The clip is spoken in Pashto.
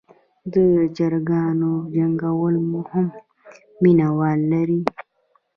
د چرګانو جنګول هم مینه وال لري.